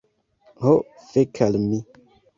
Ho, fek' al mi